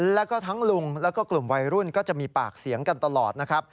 แล้วก็ทั้งลุงแล้วก็กลุ่มวัยรุ่นก็จะมีปากเสียงกันตลอดนะครับ